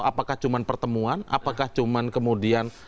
apakah cuma pertemuan apakah cuma kemudian